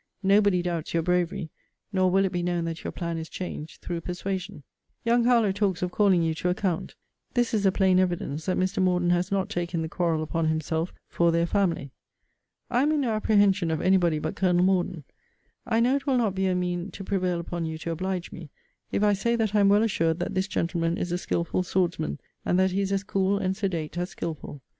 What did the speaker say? Nobody doubts your bravery; nor will it be known that your plan is changed through persuasion. Young Harlowe talks of calling you to account. This is a plain evidence, that Mr. Morden has not taken the quarrel upon himself for their family. I am in no apprehension of any body but Colonel Morden. I know it will not be a mean to prevail upon you to oblige me, if I say that I am well assured that this gentleman is a skillful swordsman; and that he is as cool and sedate as skillful.